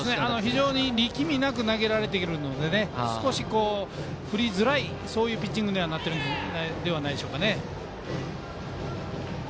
非常に力みなく投げられているので少し振りづらいピッチングにはなっているのではないでしょうか。